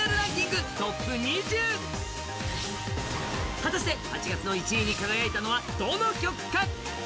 果たして８月の１位に輝いたのはどの曲か？